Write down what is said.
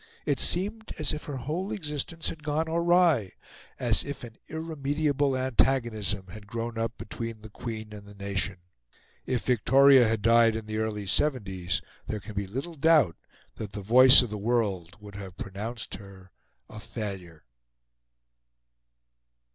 It seemed as if her whole existence had gone awry; as if an irremediable antagonism had grown up between the Queen and the nation. If Victoria had died in the early seventies, there can be little doubt that the voice of the world would have pronounced her a failure.